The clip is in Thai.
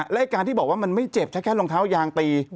และการที่บอกว่ามันไม่เจ็บแค่รองเท้ายางตี